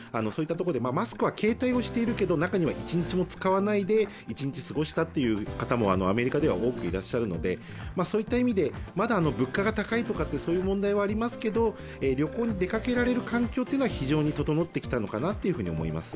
マスクは携帯をしているけど中には一日も使わないで一日過ごしたという方もアメリカでは多くいらっしゃるので、そういった意味で、まだ物価が高いという問題はありますけど旅行に出かけられる環境というのは非常に整ってきたのかなと思います。